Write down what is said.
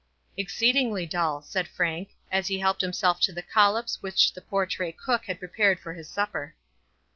"Exceedingly dull," said Frank, as he helped himself to the collops which the Portray cook had prepared for his supper.